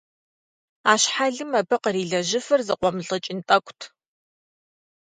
А щхьэлым абы кърилэжьыфыр зыкъуэмылӀыкӀын тӀэкӀут.